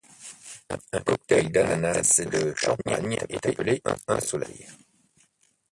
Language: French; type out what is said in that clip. Un cocktail d'ananas et de champagne est appelé un soleil.